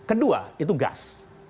kedua itu gas